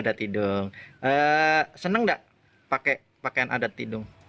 adat tidung senang gak pakaian adat tidung